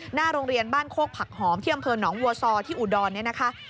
หน้าโรงเรียนบ้านโคกผักหอมที่อำเภอหนองวัวซอที่อุดรเนี่ยนะคะ